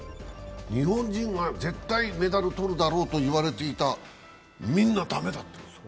日本人は絶対メダルを取るだろうと言われていた、みんな駄目だった。